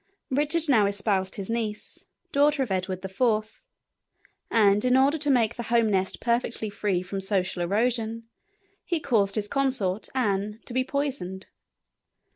Richard now espoused his niece, daughter of Edward IV., and in order to make the home nest perfectly free from social erosion, he caused his consort, Anne, to be poisoned.